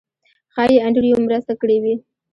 ښایي انډریو مرسته کړې وي.